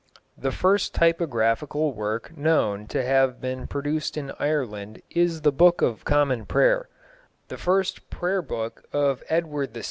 The first typographical work known to have been produced in Ireland is the Book of Common Prayer the First Prayer Book of Edward VI.